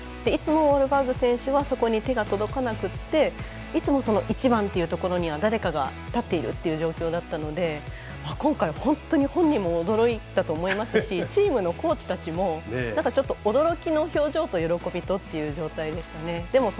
いつもウォールバーグ選手はそこに手が届かなくていつも１番というところには誰かが立っている状況だったので今回、本当に本人も驚いたと思いますしチームのコーチたちも驚きの表情と喜びとっていう状態でしたね。